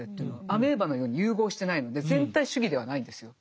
アメーバのように融合してないので全体主義ではないんですよ。